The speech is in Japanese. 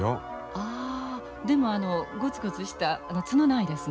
ああでもあのゴツゴツした角ないですね。